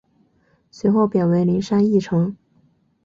随后贬为麟山驿丞。